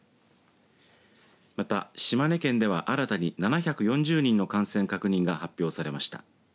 また、島根県では新たに７４０人の感染確認が発表されました。